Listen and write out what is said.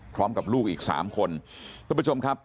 พร้อมกับลูกอีกสามคนทุกผู้ชมครับ